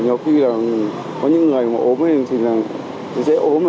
nhiều khi là có những người mà ốm thì sẽ ốm